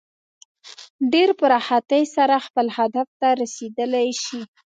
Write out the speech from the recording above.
ډېر په راحتۍ سره خپل هدف ته رسېدلی شي.